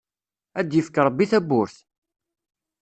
Ad d-yefk Ṛebbi tabburt!